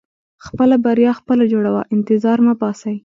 • خپله بریا خپله جوړوه، انتظار مه باسې.